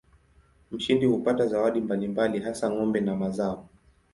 Mshindi hupata zawadi mbalimbali hasa ng'ombe na mazao.